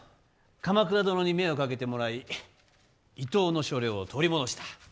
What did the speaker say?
鎌倉殿に目をかけてもらい伊東の所領を取り戻した。